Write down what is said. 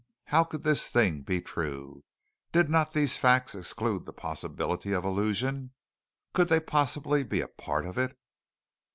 How could this thing be true? Did not these facts exclude the possibility of illusion? Could they possibly be a part of it?